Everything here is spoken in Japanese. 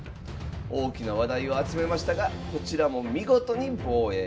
大きな話題を集めましたがこちらも見事に防衛。